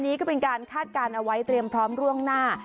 นี้ก็เป็นการคาดการณ์เอาไว้เตรียมพร้อมร่วงหน้า